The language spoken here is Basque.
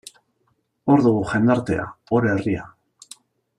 Hor dugu jendartea, hor herria.